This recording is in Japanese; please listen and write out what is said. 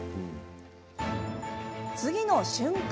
次の瞬間。